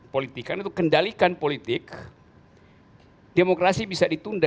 biasanya biar lebih rover ada